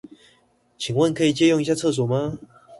請問可以借用一下廁所嗎？